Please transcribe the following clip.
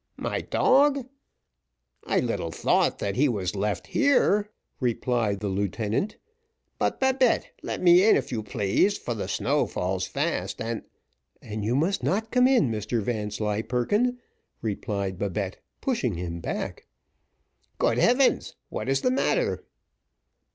"My dog! I little thought that he was left here," replied the lieutenant; "but, Babette, let me in, if you please, for the snow falls fast, and " "And you must not come in, Mr Vanslyperken," replied Babette, pushing him back. "Good heavens! what is the matter?"